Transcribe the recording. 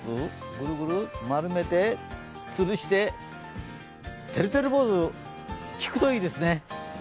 ぐるぐる丸めてつるしててるてる坊主、効くといいですね